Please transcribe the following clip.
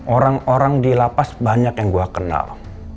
orang orang di lapas banyak yang gue kenal